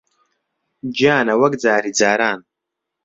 گیانە، وەک جاری جاران